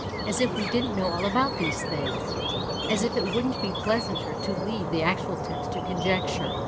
As if we didn't know all about these things ! As if it wouldn't be pleasanter to leave the actual text to conjecture